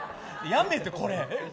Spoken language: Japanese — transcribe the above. やめえって、これ。